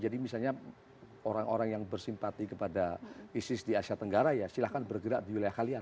jadi misalnya orang orang yang bersimpati kepada isis di asia tenggara ya silahkan bergerak di wilayah kalian